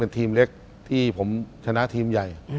ทีมเล็กที่ผมชนะทีมใหญ่